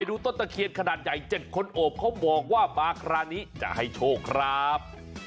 ดูต้นตะเคียนขนาดใหญ่๗คนโอบเขาบอกว่ามาคราวนี้จะให้โชคครับ